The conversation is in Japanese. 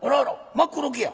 真っ黒けや。